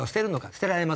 捨てられません。